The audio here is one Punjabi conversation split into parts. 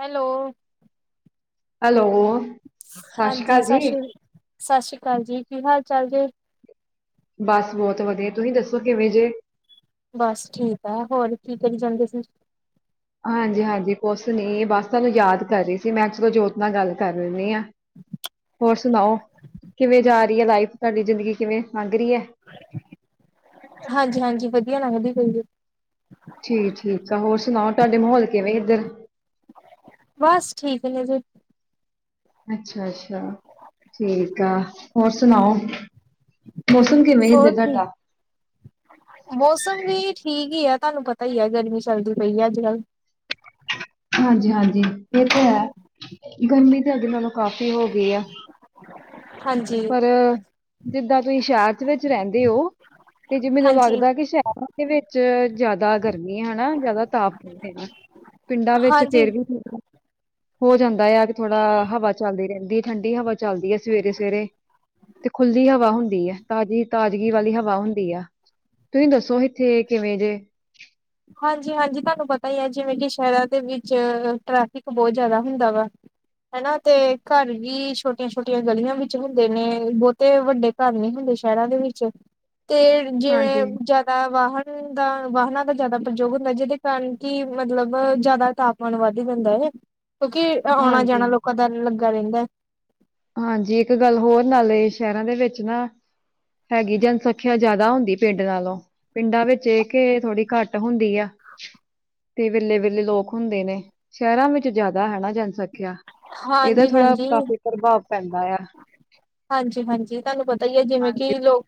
ਹੈਲੋ। ਹੈਲੋ। ਸਤਿ ਸ਼੍ਰੀ ਹਾਂਜੀ ਅਕਾਲ ਜੀ ਸਤਿ ਸ੍ਰੀ ਸਤਿ ਸ੍ਰੀ ਅਕਾਲ ਜੀ ਕੀ ਹਾਲ ਚਾਲ ਜੇ। ਬਸ ਬਹੁਤ ਵਧੀਆ ਤੁਸੀਂ ਦੱਸੋ ਕਿਵੇਂ ਜੇ। ਬਸ ਠੀਕ ਹੈ ਹੋਰ ਕੀ ਕਰੀ ਜਾਂਦੇ ਸੀ। ਹਾਂਜੀ ਹਾਂਜੀ, ਕੁਛ ਨੀ ਬਸ ਤੁਾਨੂੰ ਯਾਦ ਕਰ ਰਹੀ ਸੀ ਮੈਂ ਚਲੋ ਜੋਤ ਨਾਲ ਗੱਲ ਕਰ ਲੈਂਦੀ ਹਾਂ। ਹੋਰ ਸੁਣਾਓ ਕਿਵੇਂ ਜਾ ਰਹੀ ਹੈ, ਲਾਈਫ ਤੁਹਾਡੀ ਜ਼ਿੰਦਗੀ ਕਿਵੇਂ ਲੰਘ ਰਹੀ ਹੈ। ਹਾਂਜੀ ਹਾਂਜੀ, ਵਧੀਆ ਲੰਘਦੀ ਪਈ ਐ। ਠੀਕ ਠੀਕ ਆ ਹੋਰ ਸੁਣਾਓ ਤੁਹਾਡੇ ਮਾਹੌਲ ਕਿਵੇਂ ਇੱਧਰ। ਬਸ ਠੀਕ ਨੇ ਜੇ। ਅੱਛਾ ਅੱਛਾ ਠੀਕ ਆ ਹੋਰ ਸੁਣਾਓ। ਮੌਸਮ ਕਿਵੇਂ ਹੋਰ ਇੱਧਰ ਠੀਕ ਤੁਹਾਡਾ ਮੌਸਮ ਵੀ ਠੀਕ ਹੀ ਆ ਤੁਹਾਨੂੰ ਪਤਾ ਹੀ ਹੈ ਗਰਮੀ ਚੱਲਦੀ ਪਈ ਹੈ ਅੱਜ ਕੱਲ। ਹਾਂਜੀ ਹਾਂਜੀ ਇਹ ਤਾਂ ਹੈ ਗਰਮੀ ਤਾਂ ਅੱਗੇ ਨਾਲੋਂ ਕਾਫੀ ਹੋ ਗਈ ਆ। ਹਾਂਜੀ, ਪਰ ਜਿੱਦਾਂ ਤੁਸੀਂ ਸ਼ਹਿਰ ਵਿੱਚ ਰਹਿੰਦੇ ਹੋ। ਤੇ ਜੇ ਮੈਨੂੰ ਹਾਂਜੀ, ਲੱਗਦਾ ਕਿ ਸ਼ਹਿਰ ਦੇ ਵਿੱਚ ਜ਼ਿਆਦਾ ਗਰਮੀ ਹਨਾ ਜ਼ਿਆਦਾ ਤਾਪਮਾਨ ਹੈਗਾ ਪਿੰਡਾਂ ਵਿੱਚ ਹਾਂਜੀ। ਹੂੰ। ਹੋ ਜਾਂਦਾ ਆ ਕਿ ਥੋੜਾ ਹਵਾ ਚੱਲਦੀ ਰਹਿੰਦੀ ਹੈ ਠੰਡੀ ਹਵਾ ਚੱਲਦੀ ਹੈ ਸਵੇਰੇ ਸਵੇਰੇ। ਤੇ ਖੁੱਲੀ ਹਵਾ ਹੁੰਦੀ ਹੈ ਤਾਜ਼ੀ ਤਾਜਗੀ ਵਾਲੀ ਹਵਾ ਹੁੰਦੀ ਆ ਤੁਸੀਂ ਦੱਸੋ ਇੱਥੇ ਕਿਵੇਂ ਦੇ ਹਾਂਜੀ-ਹਾਂਜੀ ਤੁਹਾਨੂੰ ਪਤਾ ਹੀ ਹੈ, ਜਿਵੇਂ ਕਿ ਸ਼ਹਿਰਾਂ ਦੇ ਵਿੱਚ ਟ੍ਰੈਫਿਕ ਬਹੁਤ ਜ਼ਿਆਦਾ ਹੁੰਦਾ ਵਾ ਹਨਾ ਤੇ ਘਰ ਵੀ ਛੋਟੀਆਂ- ਛੋਟੀਆਂ ਗਲੀਆਂ ਵਿੱਚ ਹੁੰਦੇ ਨੇ ਬਹੁਤੇ ਵੱਡੇ ਘਰ ਨਹੀਂ ਹੁੰਦੇ ਸ਼ਹਿਰਾਂ ਦੇ ਵਿੱਚ ਤੇ ਹਾਂਜੀ ਜਿਵੇਂ ਜ਼ਿਆਦਾ ਵਾਹਨ ਦਾ ਵਾਹਨਾਂ ਦਾ ਜ਼ਿਆਦਾ ਪ੍ਰਯੋਗ ਹੁੰਦਾ ਜਿਹਦੇ ਕਾਰਨ ਕਿ ਮਤਲਬ ਜ਼ਿਆਦਾ ਤਾਪਮਾਨ ਵੱਧ ਜਾਂਦਾ ਹੈ ਕਿਉਂਕਿ ਔਣਾ ਹਾਂਜੀ ਜਾਣਾ ਲੋਕਾਂ ਦਾ ਲੱਗਾ ਰਹਿੰਦਾ। ਹਾਂਜੀ ਇੱਕ ਗੱਲ ਹੋਰ ਨਾਲੇ ਸ਼ਹਿਰਾਂ ਦੇ ਵਿੱਚ ਨਾ, ਹੈਗੀ ਜਨਸੰਖਿਆ ਜਿਆਦਾ ਹੁੰਦੀ ਪਿੰਡ ਨਾਲੋਂ ਪਿੰਡਾਂ ਵਿੱਚ ਇਹ ਕਿ ਥੋੜ੍ਹੀ ਘੱਟ ਹੁੰਦੀ ਆ। ਤੇ ਵਿਰਲੇ ਵਿਰਲੇ ਲੋਕ ਹੁੰਦੇ ਨੇ ਸ਼ਹਿਰਾਂ ਵਿੱਚ ਜ਼ਿਆਦਾ ਹੈ ਨਾ ਜਨਸੰਖਿਆ। ਇਹਦਾ ਹਾਂਜੀ ਥੋੜਾ ਹਾਂਜੀ ਕਾਫੀ ਪ੍ਰਭਾਵ ਪੈਂਦਾ ਆ। ਹਾਂਜੀ- ਹਾਂਜੀ ਤੁਹਾਨੂੰ ਪਤਾ ਹੀ ਹੈ ਜਿਵੇਂ ਕਿ ਹਾਂਜੀ ਲੋਕ,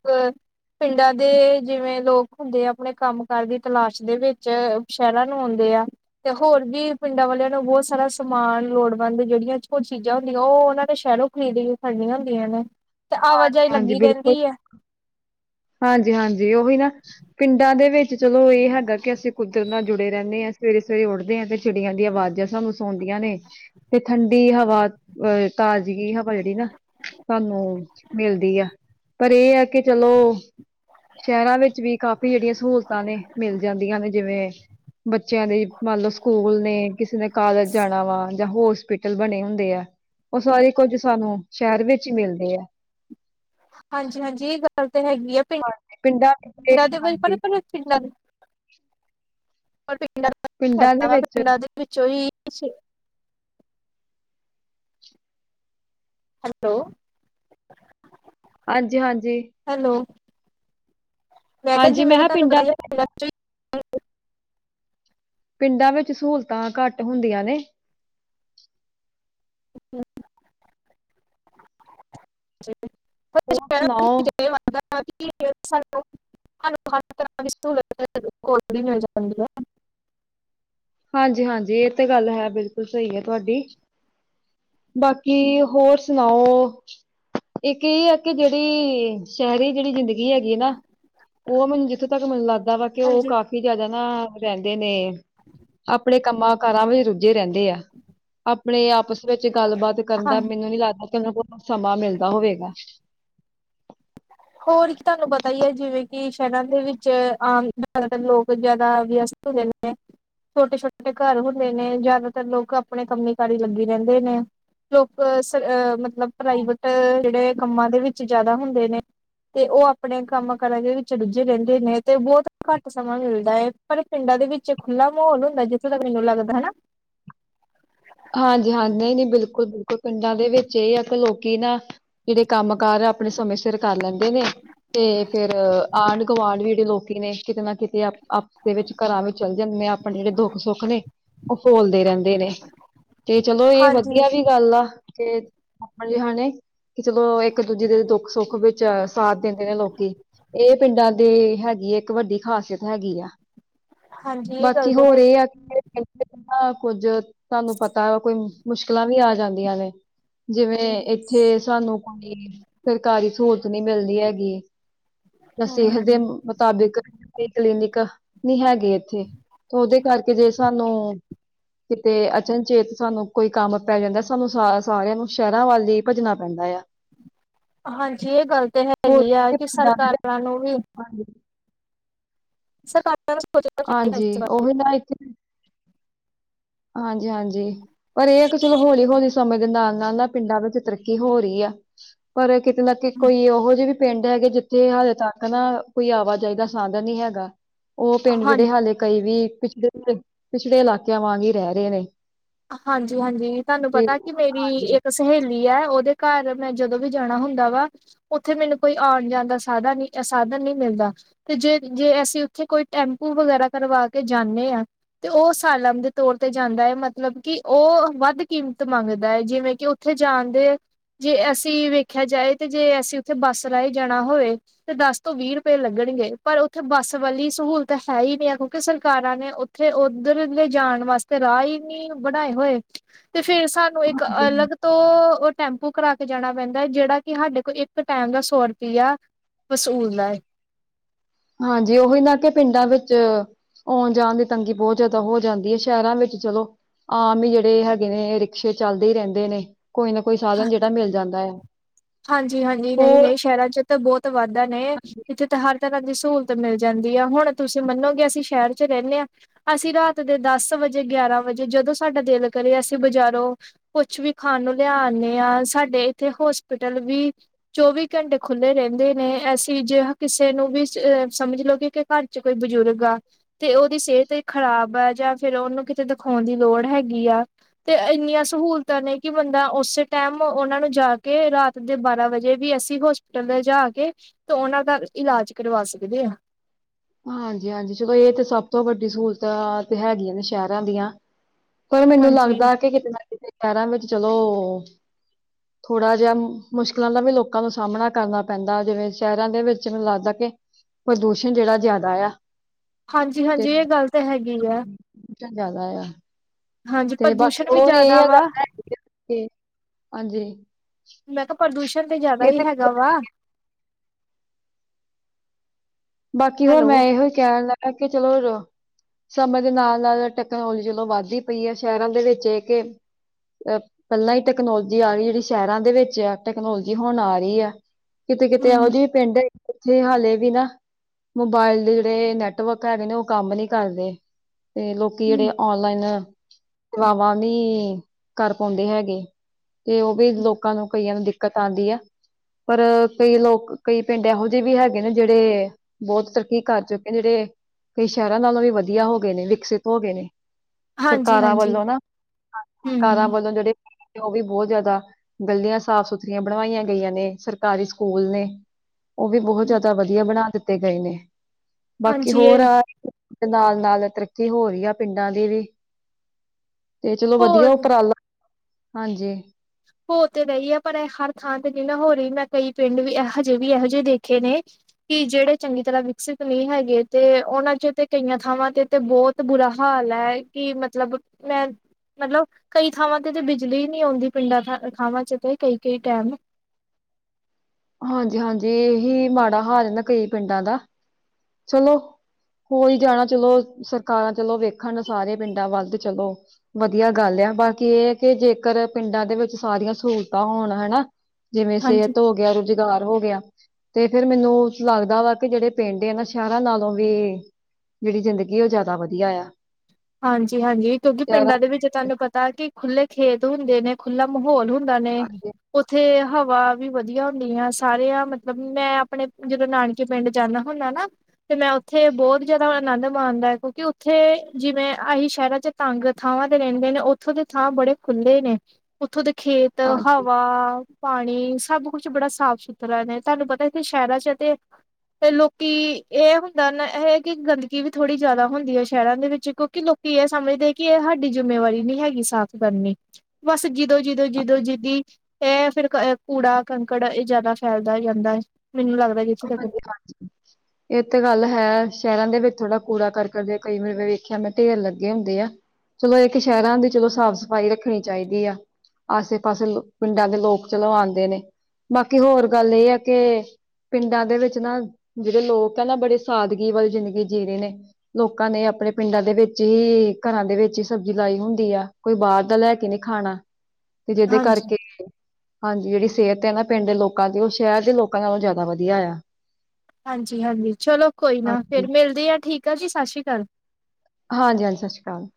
ਪਿੰਡਾਂ ਦੇ ਜਿਵੇਂ ਲੋਕ ਹੁੰਦੇ ਆ ਆਪਣੇ ਕੰਮ ਕਾਰ ਦੀ ਤਲਾਸ਼ ਦੇ ਵਿੱਚ ਸ਼ਹਿਰਾਂ ਨੂੰ ਆਉਂਦੇ ਆ, ਤੇ ਹੋਰ ਵੀ ਪਿੰਡਾਂ ਵਾਲਿਆਂ ਨੂੰ ਬਹੁਤ ਸਾਰਾ ਸਮਾਨ ਲੋੜਵੰਦ ਜਿਹੜੀਆਂ ਕੁਝ ਚੀਜ਼ਾਂ ਹੁੰਦੀਆਂ ਉਹਨਾਂ ਦੇ ਸ਼ਹਿਰੋਂ ਰੀ [unintelligible] ਖੜੀਆਂ ਹੁੰਦੀਆਂ ਨੇ ਤੇ ਆਵਾਜਾਈ ਹਾਂਜੀ ਹਾਂਜੀ ਲੱਗੀ ਬਿਲਕੁਲ ਰਹਿੰਦੀ ਹੈ। ਹਾਂਜੀ -ਹਾਂਜੀ, ਔਹੀ ਨਾ ਪਿੰਡਾਂ ਦੇ ਵਿੱਚ ਚਲੋ ਇਹ ਹੈਗਾ ਕਿ ਅਸੀਂ ਕੁਦਰਤ ਨਾਲ ਜੁੜੇ ਰਹਿੰਦੇ ਹਾਂ। ਸਵੇਰੇ -ਸਵੇਰੇ ਉੱਦੇ ਆ ਤੇ ਚਿੜੀਆਂ ਦੀ ਆਵਾਜ਼ਾਂ ਸਾਨੂੰ ਸੁਦੀਆਂ ਨੇ ਤੇ ਠੰਡੀ ਹਵਾ ਅਹ ਤਾਜ਼ਗੀ ਹਵਾ ਜਿਹੜੀ ਨਾ ਸਾਨੂੰ ਮਿਲਦੀ ਆ ਪਰ ਇਹ ਆ ਕਿ ਚਲੋ। ਸ਼ਹਿਰਾਂ ਵਿੱਚ ਵੀ ਕਾਫੀ ਜਿਹੜੀਆਂ ਸਹੂਲਤਾਂ ਨੇ ਮਿਲ ਜਾਂਦੀਆਂ ਨੇ ਜਿਵੇਂ, ਬੱਚਿਆਂ ਦੇ ਮੰਨ ਲਓ ਸਕੂਲ ਨੇ ਕਿਸੇ ਨੇ ਕਾਲਜ ਜਾਣਾ ਵਾ ਜਾਂ ਹੋਰਸਪਿ ਟਲ ਬਣੇ ਹੁੰਦੇ ਆ ਉਹ ਸਾਰੇ ਕੁੱਝ ਸਾਨੂੰ ਸ਼ਹਿਰ ਵਿੱਚ ਹੀ ਮਿਲਦੇ ਆ। ਹਾਂਜੀ -ਹਾਂਜੀ ਇਹ ਗੱਲ ਤਾਂ ਹੈਗੀ ਹੈ ਪਿੰ ਹਾਂਜੀ ਵਿੱਚ ਤੇ- ਪਿੰਡਾਂ ਦੇ ਵਿੱਚ ਹਾਂਜੀ ਪਰਤਾ [unintelligible] ਪਿੰਡਾਂ ਪਿੰਡਾਂ ਵ ਪਿੰਡਾਂ ਦੇ [unintelligible] ਵਿੱਚ ਪਿੰਡਾਂ ਦੇ, ਵਿੱਚੋਂ ਹੀ [unintelligible] ਹੈਲੋ। ਹਾਂਜੀ -ਹਾਂਜੀ। ਹੈਲੋ। ਮੈਂ ਕਿਹਾ ਹਾਂਜੀ ਜਿਵੇਂ ਕਿ ਤੁਹਾਨੂੰ ਪਿੰਡਾਂ ਦੇ ਪਤਾ। ਵਿੱਚ- [unintelligible] ਪਿੰਡਾਂ ਵਿੱਚ ਸਹੂਲਤਾਂ ਘੱਟ ਹੁੰਦੀਆਂ ਨੇ, [unintelligible] ਹੋਰ ਸੁਣਾਓ [unintelligible] ਸਾਨੂੰ ਹ ਤਰ੍ਹਾਂ ਦੀ ਸਹੂਲਤ ਘਲ ਵੀ [unintelligible] ਮਿਲ ਜਾਂਦੀ ਹੈ। ਹਾਂਜੀ- ਹਾਂਜੀ ਇਹ ਤੇ ਗੱਲ ਹੈ ਬਿਲਕੁਲ ਸਹੀ ਹੈ ਤੁਹਾਡੀ। ਬਾਕੀ ਹੋਰ ਸੁਣਾਓ? ਇੱਕ ਇਹ ਹੈ ਕਿ, ਜਿਹੜੀ ਸ਼ਹਿਰੀ ਜਿਹੜੀ ਜ਼ਿੰਦਗੀ ਹੈਗੀ ਹੈ ਨਾ। ਔਹ ਮੈਨੂੰ ਜਿੱਥੇ ਤ ਮੈਨੂੰ ਲੱਗਦਾ ਵਾ। ਕਿ ਔਹ ਹਾਂਜੀ ਕਾਫ਼ੀ ਜਿਆਦਾ ਨਾ ਰਹਿੰਦੇ ਨੇ, ਆਪਣੇ ਕੰਮਾਂ ਕਾਰਾਂ ਵਿੱਚ ਰੁੱਝੇ ਰਹਿੰਦੇ ਆ ਆਪਣੇ ਆਪਸ ਵਿੱਚ ਗੱਲਬਾਤ ਕਰਨ ਹਾਂ ਦਾ ਮੈਨੂੰ ਨੀ ਲੱਗਦਾ ਕਿ ਉਹ ਕੋਲ ਸਮਾਂ ਮਿਲਦਾ ਹੋਵੇਗਾ। ਹੋਰ ਕੀ ਤੁਹਾਨੂੰ ਪਤਾ ਹੀ ਹੈ ਜਿਵੇਂ ਕਿ ਸ਼ਹਿਰਾਂ ਦੇ ਵਿੱਚ ਆਮ ਜ਼ਿਆਦਾਤਰ ਲੋਕ ਜਿਆਦਾ ਨ [unintelligible] ਛੋਟੇ- ਛੋਟੇ ਘਰ ਹੁੰਦੇ ਨੇ ਜਿਆਦਾਤਰ ਲੋਕ ਆਪਣੇ ਕੰਮੀ ਕਾਰੀ ਲੱਗੀ ਰਹਿੰਦੇ ਨੇ, ਲੋਕ ਮਤਲਬ ਪ੍ਰਾਈਵੇਟ ਜਿਹੜੇ ਕੰਮਾਂ ਦੇ ਵਿੱਚ ਜਿਆਦਾ ਹੁੰਦੇ ਨੇ ਤੇ ਔਹ ਆਪਣੇ ਕੰਮ ਕਾਰਾਂ ਦੇ ਵਿੱਚ ਰੁੱਝੇ ਰਹਿੰਦੇ ਨੇ ਤੇ ਬਹੁਤ ਘੱਟ ਸਮਾਂ ਮਿਲਦਾ ਹੈ। ਪਰ ਇਹ ਪਿੰਡਾਂ ਦੇ ਵਿੱਚ ਇੱਕ ਖੁੱਲ੍ਹਾ ਮਾਹੌਲ ਹੁੰਦਾ ਜਿੱਥੋਂ ਤੱਕ ਮੈਨੂੰ ਲੱਗਦਾ ਹਨਾ। ਹਾਂਜੀ ਹਾਂ ਨਹੀਂ ਨਹੀਂ ਬਿਲਕੁਲ ਬਿਲਕੁਲ ਪਿੰਡਾਂ ਦੇ ਵਿੱਚ ਇਹ ਹੈ ਇੱਕ ਲੋਕੀ ਨਾ ਜਿਹੜੇ ਕੰਮ ਕਾਰ ਆਪਣੇ ਸਮੇਂ ਸਿਰ ਕਰ ਲੈਂਦੇ ਨੇ ਤੇ ਫੇਰ ਆਂਢ ਗੁਆਂਢ ਵੀ ਜਿਹੜੇ ਲੋਕੀ ਨੇ ਕਿਤੇ ਨਾ ਕਿਤੇ ਤੇ ਆਪਸ ਦੇ ਵਿੱਚ ਘਰਾਂ ਵਿੱਚ ਚਲੇ ਜਾਂਦੇ ਨੇ। ਆਪਣੇ ਜਿਹੜੇ ਦੁੱਖ ਸੁੱਖ ਨੇ ਉਹ ਫੋਲਦੇ ਰਹਿੰਦੇ ਨੇ। ਤੇ ਚਲੋ ਇਹ ਹਾਂਜੀ ਵਧੀਆ ਵੀ ਗੱਲ ਆ। ਤੇ ਆਪ ਜਿਹਾ ਨੇ ਕਿ ਚਲੋ। ਇੱਕ ਦੂਜੇ ਦੇ ਦੁੱਖ- ਸੁੱਖ ਵਿੱਚ ਸਾਥ ਦਿੰਦੇ ਨੇ ਲੋਕੀ। ਇਹ ਪਿੰਡਾਂ ਦੇ ਹੈਗੀ ਆ। ਇੱਕ ਵੱਡੀ ਖ਼ਾਸੀਅਤ ਹੈਗੀ ਆ। ਹਾਂਜੀ ਇਹ ਗੱਲ ਬਾਕੀ ਤਾਂ ਹੋਰ ਹੈ ਇਹ ਆ ਕਿ ਏਨਾ ਕੁੱਝ ਤੁਹਾਨੂੰ ਪਤਾ ਵਾਂ। ਕੋਈ ਮੁਸ਼ਕਿਲਾਂ ਵੀ ਆ ਜਾਂਦੀਆਂ ਨੇ। ਜਿਵੇਂ ਇੱਥੇ ਸਾਨੂੰ। ਸਰਕਾਰੀ ਸਹੂਲਤ ਨਹੀਂ ਮਿਲਦੀ ਹੈਗੀ। ਨਸਿਹਤ ਦੇ ਹਮ ਮੁਤਾਬਿਕ ਕਲੀਨਿਕ ਨੀ ਹੈਗੇ ਇੱਥੇ। ਉਹਦੇ ਕਰਕੇ ਜੇ ਸਾਨੂੰ ਤੇ ਅਚਨਚੇਤ ਸਾਨੂੰ ਕੋਈ ਕੰਮ ਪੈ ਜਾਂਦਾ। ਸਾਨੂੰ ਸਾਰਿਆਂ ਨੂੰ ਸ਼ਹਿਰਾਂ ਵੱਲ ਲਈ ਭੱਜਣਾ ਪੈਂਦਾ ਆ। [inaudible] ਹਾਂਜੀ ਇਹ ਗੱਲ ਤਾਂ ਹੋਰ ਹੈਗੀ ਆ। ਇੱਥੇ ਕਿ ਪਿੰਡਾਂ ਦੇ ਵਿੱਚ ਸਰਕਾਰਾਂ ਨੂੰ ਵੀ ਹਾਂਜੀ [unintelligible] ਸਹੀ ਚ। ਹਾਂਜੀ- ਹਾਂਜੀ ਪਰ ਇਹ ਇੱਕ ਚਲੋ ਹੌਲੀ- ਹੌਲੀ ਸਮੇਂ ਦੇ ਨਾਲ ਨਾਲ ਨਾ। ਪਿੰਡਾਂ ਵਿੱਚ ਤਰੱਕੀ ਹੋ ਰਹੀ ਆ, ਪਰ ਕਿਤੇ ਨਾ ਕਿ ਕੋਈ ਇਹੋ ਜਿਹੇ ਵੀ ਪਿੰਡ ਹੈਗੇ ਜਿੱਦ ਹਾਲੇ ਤੱਕ ਨਾ ਕੋਈ ਆਵਾਜਾਈ ਦਾ ਸਾਧਨ ਨੀ ਹੈਗਾ। ਉਹ ਪਿੰਡ ਹਾਂਜੀ ਜਿਹੜੇ ਹਲੇ ਕਈ ਵੀ ਪਿਛੜੇ-ਪਿਛੜੇ ਇਲਾਕਿਆਂ ਵਾਂਗ ਹੀ ਰਹਿ ਰਹੇ ਨੇ। ਹਾਂਜੀ- ਹਾਂਜੀ ਤੁਹਾਨੂੰ ਤੇ ਪਤਾ। ਕਿ ਮੇਰੀ ਹਾਂਜੀ ਇੱਕ ਸਹੇਲੀ ਹੈ ਉਹਦੇ ਘਰ ਮੈਂ ਜਦੋਂ ਵੀ ਜਾਣਾ ਹੁੰਦਾ ਵਾ ਉੱਥੇ ਮੈਨੂੰ ਕੋਈ ਆਉਣ ਜਾਣ ਦਾ ਸਾਧਨ ਨਹੀਂ ਸਾਧਨ ਨਹੀਂ ਮਿਲਦਾ। ਤੇ ਜੇ -ਜੇ ਅਸੀਂ ਉੱਥੇ ਕੋਈ ਟੈਂਪੂ ਵਗੈਰਾ ਕਰਵਾ ਕੇ ਜਾਨੇ ਹਾਂ। ਤੇ ਉਹ ਸਾਲਮ ਦੇ ਤੌਰ ਤੇ ਜਾਂਦਾ ਹੈ। ਮਲ ਮਤਲਬ ਕਿ ਉਹ ਵੱਧ ਕੀਮਤ ਮੰਗਦਾ ਹੈ। ਜਿਵੇਂ ਕਿ ਉੱਥੇ ਜਾਣ ਦੇ ਜੇ ਅਸੀਂ ਵੇਖਿਆ ਜਾਏ। ਤੇ ਜੇ ਅਸੀਂ ਉੱਥੇ ਬੱਸ ਰਾਹੀਂ ਜਾਣਾ ਹੋਵੇ। ਤੇ ਦਸ ਤੋਂ ਵੀਹ ਰੁਪਏ ਲੱਗਣਗੇ। ਪਰ ਉੱਥੇ ਬੱਸ ਵਾਲੀ ਸਹੂਲਤ ਹੈ ਹੀ ਨਹੀਂ ਹੈ ਕਿਉਂਕਿ ਸਰਕਾਰਾਂ ਨੇ ਓਥੇ ਉਥੇ ਉ ਓਧਰ ਦੇ ਜਾਣ ਵਾਸਤੇ ਰਾਹ ਹੀ। ਨਿਯਮ ਬਣਾਏ ਹੋਏ। ਤੇ ਫੇਰ ਸਾਨੂੰ ਇੱਕ ਹਾਂਜੀ ਅਲੱਗ। ਤੋਂ ਉਹ ਟੈਂਪੂ ਕਰਾ ਕੇ ਜਾਣਾ ਪੈਂਦਾ ਜਿਹੜਾ ਕਿ ਸਾਡੇ ਕੋਲ ਇੱਕ ਟੈਮ ਦਾ ਸੋ ਰੁਪਈਆ। ਵਸੁਲ ਦਾ ਏ। ਹਾਂਜੀ। ਉਹੀ ਨਾ ਕਿ ਪਿੰਡਾਂ ਵਿੱਚ ਆਉਣ ਜਾਣ ਦੀ ਤੰਗੀ ਬਹੁਤ ਜ਼ਿਆਦਾ ਹੋ ਜਾਂਦੀ ਹੈ। ਸ਼ਹਿਰਾਂ ਵਿੱਚ ਚਲੋ ਆਮ ਹੀ ਜਿਹੜੇ ਹੈਗੇ ਨੇ ਰਿਕਸ਼ੇ ਚੱਲਦੇ ਹੀ ਰਹਿੰਦੇ ਨੇ। ਕੋਈ ਨਾ ਕੋਈ ਸਾਧਨ ਜਿਹੜਾ ਮਿਲ ਜਾਂਦਾ ਆ। ਹਾਂਜੀ - ਹਾਂਜੀ ਨਹੀਂ - ਨਹੀਂ ਸ਼ਹਿਰਾਂ ਚ ਤਾਂ ਬਹੁਤ ਵਾਧ ਨੇ। ਇੱਥੇ ਤਾਂ ਹਰ ਤਰ੍ਹਾਂ ਦੀ ਸਹੂਲਤ ਮਿਲ ਜਾਂਦੀ ਆ। ਹੁਣ ਤੁਸੀਂ ਮੰਨੋਗੇ ਅਸੀਂ ਸ਼ਹਿਰ ਚ ਰਹਿੰਦੇ ਹਾਂ। ਅਸੀਂ ਰਾਤ ਦੇ ਦਸ ਵਜੇ ਗਿਆਰਾਂ ਵਜੇ। ਜਦੋਂ ਸਾਡਾ ਦਿਲ ਕਰੇ ਅਸੀਂ ਬਜ਼ਾਰੋਂ ਕੁਛ ਵੀ ਖਾਣ ਨੂੰ ਲਿਆਨੇ ਹਾਂ ਸਾਡੇ ਇੱਥੇ ਹੋਸਪਿਟਲ ਵੀ। ਚੌਵੀ ਘੰਟੇ ਖੁੱਲ੍ਹੇ ਰਹਿੰਦੇ ਨੇ। ਅਸੀਂ ਜਿਹਾ ਕਿਸੇ ਨੂੰ ਵੀ ਸਮਝ ਲਓਗੇ। ਕਿ ਘਰ ਚ ਕੋਈ ਬਜ਼ੁਰਗ ਆ। ਤੇ ਉਹਦੀ ਸਿਹਤ ਖ਼ਰਾਬ ਆ ਜਾਂ ਫਿਰ ਉਹਨੂੰ ਕਿਤੇ ਦਿਖਾਉਣ ਦੀ ਲੋੜ ਹੈਗੀ ਆ। ਤੇ ਇੰਨੀਆਂ ਸਹੂਲਤਾਂ ਨੇ। ਕਿ ਬੰਦਾ ਉਸੇ ਟਾਈਮ ਉਹਨਾ ਨੂੰ ਜਾ ਕੇ ਰਾਤ ਦੇ ਬਾਰਾਂ ਵਜੇ ਵੀ। ਅਸੀਂ ਹੋਸਪਿਟਲ ਜਾ ਕੇ ਤਾਂ ਉਹਨਾਂ ਦਾ ਇਲਾਜ ਕਰਵਾ ਸਕਦੇ ਹਾਂ। ਹਾਂਜੀ - ਹਾਂਜੀ ਚਲੋ। ਇਹ ਤੇ ਸਭ ਤੋਂ ਵੱਡੀ ਸਹੂਲਤਾਂ ਤੇ ਹੈਗੀਆਂ ਨੇ ਸ਼ਹਿਰਾਂ ਦੀਆਂ। ਪਰ ਮੈਨੂੰ ਹਾਂਜੀ ਲੱਗਦਾ ਕਿ ਕਿਤੇ ਨਾ ਕਿਤੇ ਸ਼ਹਿਰਾਂ ਵਿੱਚ ਚਲੋਂ। ਥੋੜਾ ਜਹਾ ਮੁਸ਼ਕਿਲਾਂ ਦਾ ਵੀ ਲੋਕਾਂ ਨੂੰ ਸਾਹਮਣਾ ਕਰਨਾ ਪੈਂਦਾ। ਜਿਵੇਂ ਸ਼ਹਿਰਾਂ ਦੇ ਵਿੱਚ ਮੈਨੂੰ ਲੱਗਦਾ ਕੇ ਪ੍ਰਦੂਸ਼ਣ ਜਿਹੜਾ। ਜ਼ਿਆਦਾ ਆ ਹਾਂਜੀ ਤੇ ਹਾਂਜੀ ਇਹ ਗੱਲ ਤਾਂ ਹੈਗੀ ਆ ਜਿਆਦਾ ਆ। ਹਾਂਜੀ ਤੇ ਬਾਕੀ ਪ੍ਰਦੂਸ਼ਣ ਵੀ ਹੋਰ ਇਹ ਜ਼ਿਆਦਾ ਆ ਵਾ ਗੱਲ ਕੇ ਹਾਂਜੀ। ਮੈਂ ਕਿਹਾ। ਪ੍ਰਦੂਸ਼ਣ ਤੇ ਜ਼ਿਆਦਾ ਹੀ ਹੈਗਾ ਵਾ। ਬਾਕੀ ਹੋਰ। ਹੈਲੋ ਮੈਂ ਇਹੋ ਹੀ ਕਹਿਣ ਲ ਕਿ ਚਲੋ। ਸਮੇਂ ਦੇ ਨਾਲ-ਨਾਲ ਟੈਕਨੋਲੋਜੀ ਚਲੋਂ ਵੱਧਦੀ ਪਈ ਹੈ, ਸ਼ਹਿਰਾਂ ਦੇ ਵਿੱਚ ਇਹ ਕਿ ਅ ਪਹਿਲਾਂ ਹੀ ਟੈਕਨੋਲੋਜੀ ਆ ਰਹੀ ਜਿਹੜੀ ਸ਼ਹਿਰਾਂ ਦੇ ਵਿੱਚ ਆ, ਟੈਕਨੋਲੋਜੀ ਹੁਣ ਆ ਰਹੀ ਹੈ। ਕਿਤੇ-ਕਿਤੇ ਇਹੋ ਹਮ ਜੇ ਵੀ ਪਿੰਡ ਹੈ ਉੱਥੇ ਹਾਲੇ ਵੀ ਨਾ ਮੋਬਾਇਲ ਦੇ ਜਿਹੜੇ ਨੈਟਵਰਕ ਹੈਗੇ ਨੇ ਉਹ ਕੰਮ ਨੀ ਕਰਦੇ। ਤੇ ਲੋਕੀ ਜਿਹੜੇ ਹਮ ਔਨਲਾਈਨ ਸੇਵਾਵਾਂ ਨਹੀਂ ਕਰ ਪਾਉਂਦੇ ਹੈਗੇ। ਤੇ ਉਹ ਵੀ ਲੋਕਾਂ ਨੂੰ ਕਈਆਂ ਨੂੰ ਦਿੱਕਤ ਆਉਂਦੀ ਹੈ। ਪਰ ਕਈ ਲੋਕ ਕਈ ਪਿੰਡ ਇਹੋ ਜਿਹੇ ਵੀ ਹੈਗੇ ਨੇ ਜਿਹੜੇ ਬਹੁਤ ਤਰੱਕੀ ਕਰ ਚੁੱਕੇ ਨੇ। ਜਿਹੜੇ ਕਈ ਸ਼ਹਿਰਾਂ ਨਾਲੋਂ ਵੀ ਵਧੀਆ ਹੋ ਗਏ ਨੇ, ਵਿਕਸਿਤ ਹੋ ਗਏ ਨੇ। ਹਾਂਜੀ ਸਰਕਾਰਾਂ ਹਾਂਜੀ ਵੱਲੋਂ ਨਾ, ਸਰਕਾਰਾਂ ਹਮ ਵੱਲੋਂ ਜਿਹੜੇ ਉਹ ਵੀ ਬਹੁਤ ਜ਼ਿਆਦਾ ਗਲੀਆਂ ਸਾਫ -ਸੁਥਰੀਆਂ ਬਣਵਾਈਆਂ ਗਈਆਂ ਨੇ, ਸਰਕਾਰੀ ਸਕੂਲ ਨੇ। ਉਹ ਵੀ ਬਹੁਤ ਜ਼ਿਆਦਾ ਵਧੀਆ ਬਣਾ ਦਿੱਤੇ ਗਏ ਨੇ। ਬਾਕੀ ਹਾਂਜੀ ਹੋਰ ਇਹ ਆ ਤੇ ਨਾਲ -ਨਾਲ ਤਰੱਕੀ ਹੋ ਰਹੀ ਆ ਪਿੰਡਾਂ ਦੀ ਵੀ। ਤੇ ਚਲੋ ਵਧੀਆ ਹੋਰ ਉਪਰਾਲਾ, ਹਾਂਜੀ। ਹੋ ਤੇ ਰਹੀ ਹੈ, ਪਰ ਇਹ ਹਰ ਥਾਂ ਤੇ ਨਾ ਹੋ ਰਹੀ ਮੈਂ ਕਈ ਪਿੰਡ ਵੀ ਇਹੋਜੇ ਵੀ ਇਹੋ ਜਿਹੇ ਦੇਖੇ ਨੇ। ਕਿ ਜਿਹੜੇ ਚੰਗੀ ਤਰ੍ਹਾਂ ਵਿਕਸਿਤ ਨਹੀਂ ਹੈਗੇ ਤੇ ਉਹਨਾਂ ਚ ਤੇ ਕਈਆਂ ਥਾਵਾਂ ਤੇ ਤੇ ਬਹੁਤ ਬੁਰਾ ਹਾਲ ਏ, ਕਿ ਮਤਲਬ ਮੈਂ ਮਤਲਬ ਕਈ ਥਾਵਾਂ ਤੇ ਤੇ ਬਿਜਲੀ ਨਹੀਂ ਆਉਂਦੀ। ਪਿੰਡਾਂ ਥ ਥਾਵਾਂ ਚ ਤੇ ਕਈ -ਕਈ ਟਾਈਮ। ਹਾਂਜੀ -ਹਾਂਜੀ ਇਹੀ ਮਾੜਾ ਹਾਲ ਏ ਨਾ ਕਈ ਪਿੰਡਾਂ ਦਾ ਚਲੋ। ਹੋਈ ਜਾਣਾ ਚਲੋ ਸਰਕਾਰਾਂ ਚਲੋ ਵੇਖਣ ਸਾਰੇ ਪਿੰਡਾਂ ਵੱਲ ਤੇ ਚਲੋ। ਵਧੀਆ ਗੱਲ ਆ ਬਾਕੀ ਇਹ ਹੈ ਕਿ ਜੇਕਰ ਪਿੰਡਾਂ ਦੇ ਵਿੱਚ ਸਾਰੀਆਂ ਸਹੂਲਤਾਂ ਹੋਣ ਹਨਾ। ਜਿਵੇਂ ਹਾਂਜੀ ਸਿਹਤ ਹੋ ਗਿਆ, ਰੁਜ਼ਗਾਰ ਹੋ ਗਿਆ। ਤੇ ਫੇਰ ਮੈਨੂੰ ਲੱਗਦਾ ਵਾ ਕਿ, ਜਿਹੜੇ ਪਿੰਡ ਇਹਨਾਂ ਸ਼ਹਿਰਾਂ ਨਾਲੋਂ ਵੀ ਜਿਹੜੀ ਜ਼ਿੰਦਗੀ ਉਹ ਜ਼ਿਆਦਾ ਵਧੀਆ ਆ। ਹਾਂਜੀ- ਹਾਂਜੀ ਕਿਉਂਕਿ, ਸ਼ਹਿਰਾਂ ਪਿੰਡਾਂ ਦੇ ਵਿੱਚ ਤੁਹਾਨੂੰ ਪਤਾ ਕਿ ਖੁੱਲ੍ਹੇ ਖੇਤ ਹੁੰਦੇ ਨੇ। ਖੁੱਲਾ ਮਾਹੌਲ ਹੁੰਦਾ ਨੇ। ਹਾਂਜੀ ਉੱਥੇ ਹਵਾ ਵੀ ਵਧੀਆ ਹੁੰਦੀ ਆ। ਸਾਰਿਆਂ ਮਤਲਬ ਮੈਂ ਆਪਣੇ ਜਦੋਂ ਨਾਨ ਕੇ ਪਿੰਡ ਜਾਂਦਾ ਹੁੰਦਾ ਨਾ, ਤੇ ਮੈਂ ਉੱਥੇ ਬਹੁਤ ਜਿਆਦਾ ਆਨੰਦ ਮਾਣਦਾ ਕਿਉਂਕਿ ਉੱਥੇ ਜਿਵੇਂ ਅਸੀਂ ਸ਼ਹਿਰਾਂ ਚ ਤੰਗ ਥਾਵਾਂ ਤੇ ਰਹਿੰਦੇ ਨੇ ਉਥੋਂ ਦੇ ਥਾਂ ਬੜੇ ਖੁੱਲ੍ਹੇ ਨੇ। ਉੱਥੋਂ ਦੇ ਖੇਤ, ਹਾਂਜੀ ਹਵਾ ਪਾਣੀ ਸਭ ਕੁਛ ਬੜਾ ਸਾਫ਼ -ਸੁਥਰਾ ਨੇ ਤੁਹਾਨੂੰ ਪਤਾ ਇੱਥੇ ਸ਼ਹਿਰਾਂ ਚ ਤੇ ਤੇ ਲੋਕੀ ਇਹ ਹੁੰਦਾ ਨਾ, ਇਹ ਕਿ ਗੰਦਗੀ ਵੀ ਥੋੜੀ ਜ਼ਿਆਦਾ ਹੁੰਦੀ ਹੈ ਸ਼ਹਿਰਾਂ ਦੇ ਵਿੱਚ। ਕਿਉਂਕਿ ਲੋਕੀ ਇਹ ਸਮਝਦੇ ਕਿ ਇਹ ਸਾਡੀ ਜਿੰਮੇਵਾਰੀ ਨ ਹੈਗੀ ਸਾਫ਼ ਕਰਨੀ। ਬਸ ਜਦੋਂ- ਜਦੋ- ਜਿਦੋ- ਜਿਦੀ ਇਹ ਫੇਰ ਕੂੜਾ ਕਰਕੱਟ ਇਹ ਜ਼ਿਆਦਾ ਫੈਲਦਾ ਜਾਂਦਾ ਹੈ। ਮੈਨੂੰ ਲੱਗਦਾ ਜਿੱਥੇ ਤੱਕ ਹਾਂਜੀ, ਹਾਂਜੀ, ਇਹ ਤੇ ਗੱਲ ਹੈ ਸ਼ਹਿਰਾਂ ਦੇ ਵਿੱਚ ਥੋੜ੍ਹਾ ਕੂੜਾ ਕਰਕੱਟ ਦੇ ਕਈ ਵੇਰੀ ਸਾਮਨੇ ਢੇਰ ਲੱਗੇ ਹੁੰਦੇ ਐ। ਚਲੋ ਇੱਕ ਸ਼ਹਿਰਾਂ ਦੀ ਚਲੋ ਸਾਫ਼ ਸਫ਼ਾਈ ਰੱਖਣੀ ਚਾਹੀਦੀ ਆ। ਆਸੇ ਪਾਸੇ ਪਿੰਡਾਂ ਦੇ ਲੋਕ ਚਲੋ ਆਉਂਦੇ ਨੇ ਬਾਕੀ ਹੋਰ ਗੱਲ ਇਹ ਹੈ ਕੇ ਪਿੰਡਾਂ ਦੇ ਵਿੱਚ ਨਾ ਜਿਹੜੇ ਲੋਕ ਆ ਨਾ ਬੜੇ ਸਾਦਗੀ ਵਾਲੀ ਜ਼ਿੰਦਗੀ ਜੀ ਰਹੇ ਨੇ। ਲੋਕਾਂ ਨੇ ਆਪਣੇ ਪਿੰਡਾਂ ਦੇ ਵਿੱਚ ਹੀ ਘਰਾਂ ਦੇ ਵਿੱਚ ਹੀ ਸਬਜ਼ੀ ਲਾਈ ਹੁੰਦੀ ਆ, ਕੋਈ ਬਾਹਰ ਦਾ ਲੈ ਕੇ ਨਹੀਂ ਖਾਣਾ। [inaudible] ਤੇ ਜਿਹਦੇ ਹਾਂਜੀ ਕਰਕੇ ਹਾਂਜੀ ਜਿਹੜੀ ਸਿਹਤ ਹੈ, ਨਾ ਪਿੰਡ ਦੇ ਲੋਕਾਂ ਦੀ ਉਹ ਸ਼ਹਿਰ ਦੇ ਲੋਕਾਂ ਨਾਲੋਂ ਜ਼ਿਆਦਾ ਵਧ ਵਧੀਆ ਇਆ। ਹਾਂਜੀ- ਹਾਂਜੀ ਚਲੋ ਕੋਈ ਨਾ ਹਾਂਜੀ ਫੇਰ ਮਿਲਦੇ ਹਾਂ, ਠੀਕ ਆ ਜੀ ਸਤਿ ਸ਼੍ਰੀ ਅਕਾਲ। ਹਾਂਜੀ-ਹਾਂਜੀ, ਸਤਿ ਸ਼੍ਰੀ ਅਕਾਲ।